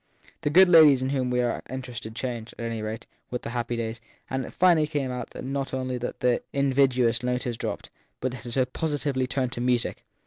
The good ladies in whom we are interested changed, at any rate, with the happy daj^s, and it finally came out not only that the invidious note had dropped, but that it had positively turned to music.